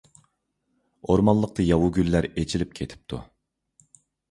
ئورمانلىقتا ياۋا گۈللەر ئېچىلىپ كېتىپتۇ.